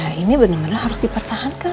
ya ini bener bener harus dipertahankan